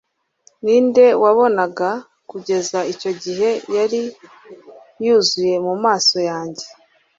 Ninde wabonaga kugeza icyo gihe yari yuzuye mu maso yanjye